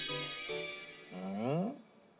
うん？